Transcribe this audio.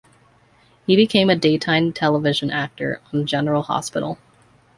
He became a daytime television actor on "General Hospital".